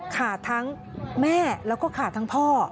ขาดทั้งแม่แล้วก็ขาดทั้งพ่อ